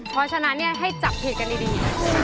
เพราะฉะนั้นให้จับผิดกันดี